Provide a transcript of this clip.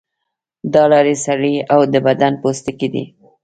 دا لارې سږی او د بدن پوستکی دي.